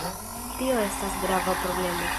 Tio estas grava problemo.